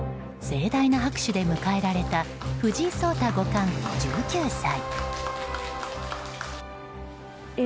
盛大な拍手で迎えられた藤井聡太五段、１９歳。